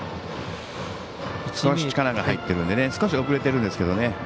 力が入っているので少し遅れているんですけどね